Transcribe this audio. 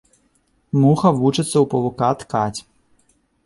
Муха вучыцца ў павука ткаць.